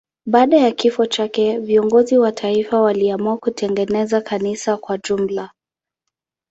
Baada ya kifo chake viongozi wa taifa waliamua kutengeneza kanisa kwa jumla.